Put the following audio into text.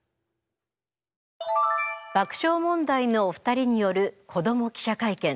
爆笑問題のお二人による「子ども記者会見」。